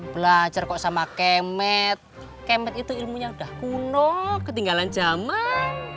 belajar kok sama kemet kemet itu ilmunya udah kuno ketinggalan zaman